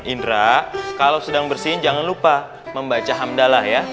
indra kalau sedang bersihin jangan lupa membaca hamdalah ya